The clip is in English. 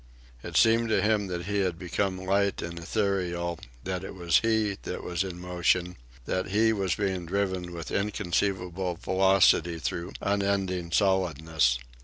It seemed to him that he had become light and ethereal; that it was he that was in motion; that he was being driven with inconceivable velocity through unending solidness.